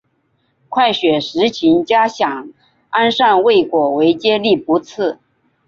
快雪时晴佳想安善未果为结力不次。